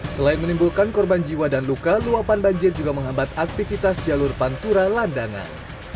selain menimbulkan korban jiwa dan luka luapan banjir juga menghambat aktivitas jalur pantura landangan